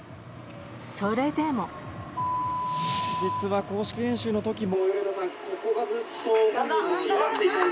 それでも実は公式練習の時も。